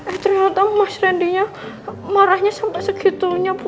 eh ternyata mas randy nya marahnya sampai segitunya bu